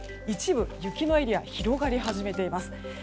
一部、雪のエリアが広がり始めています。